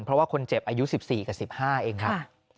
เพราะว่าคนเจ็บอายุ๑๔กับ๑๕เองครับ